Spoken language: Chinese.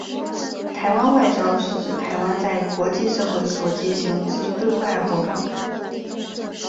台湾外交是指台湾在国际社会所进行之对外活动。